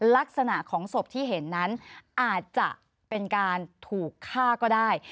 ลักษณะของศพที่เห็นนั้นอาจจะเป็นการถูกฆ่าก็ได้